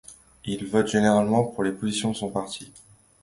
Il vote généralement pour les positions de son parti.